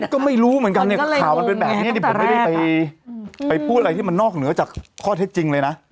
ก็ไม่รู้เหมือนกันเนี่ยข่าวมันเป็นแบบนี้ผมไม่ได้ไปพูดอะไรที่มันนอกเหนือจากข้อเท็จจริงเลยนะ